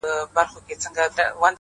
• نه په طبیب سي نه په دعا سي,